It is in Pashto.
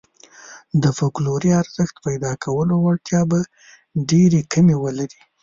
د فوکلوري ارزښت پيدا کولو وړتیا به ډېرې کمې ولري.